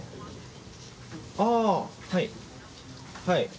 はい。